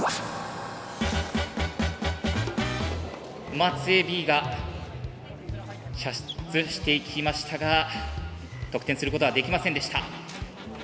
松江Ｂが射出していきましたが得点することはできませんでした。